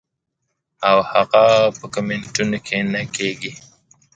او هغه پۀ کمنټونو کښې نۀ کيږي -